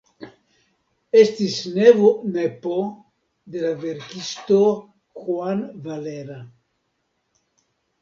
Estis nevo-nepo de la verkisto Juan Valera.